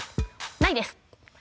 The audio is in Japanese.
「ないです」。